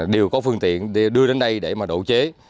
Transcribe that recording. đều có phương tiện đưa đến đây để mà độ chế